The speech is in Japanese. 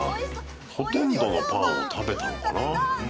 ほとんどのパンを食べたのかな。